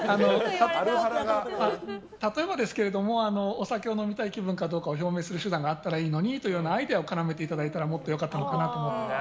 例えばお酒を飲みたい気分かどうかを表明する手段があったらいいのにとかアイデアを絡めていただいたらもっと良かったのかなと思います。